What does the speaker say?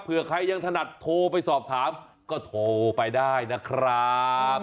เพื่อใครยังถนัดโทรไปสอบถามก็โทรไปได้นะครับ